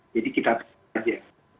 jadi kita tunggu saja